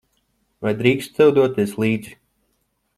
Vai drīkstu tev doties līdzi?